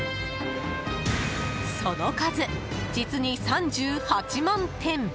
その数、実に３８万点。